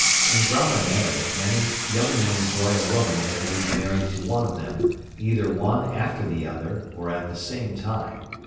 In Gramaneri many young men enjoy a woman that may be married to one of them, either one after the other, or at the same time.